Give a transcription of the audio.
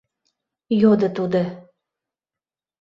— йодо тудо.